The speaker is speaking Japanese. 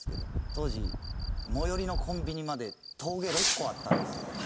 当時最寄りのコンビニまで峠６個あったんですよ。